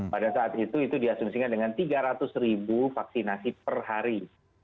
pada saat itu itu diasumsikan dengan tiga ratus ribu vaksinasi per hari